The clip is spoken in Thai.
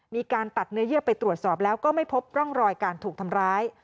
มีการตัดเนื้อเยื่อไปตรวจสอบแล้วก็ไม่พบร่องรอยการถูกทำร้าย